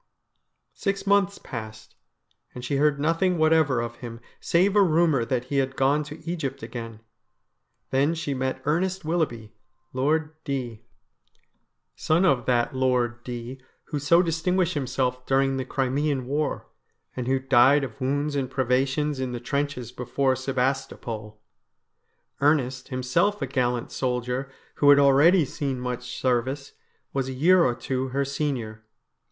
Six months passed, and she heard nothing whatever of him, save a rumour that he had gone to Egypt again. Then she met Ernest Willoughby, Lord D , son of that Lord D who so distinguished himself during the Crimean War, and who died of wounds and privations in the trenches be h 2 ioo STORIES WEIRD AND WONDERFUL fore Sebastopol. Ernest, himself a gallant soldier who had already seen much service, was a year or two her senior.